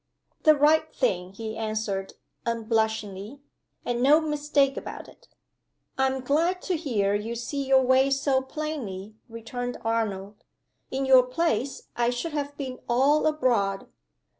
"The right thing," he answered, unblushingly. "And no mistake about it." "I'm glad to hear you see your way so plainly," returned Arnold. "In your place, I should have been all abroad.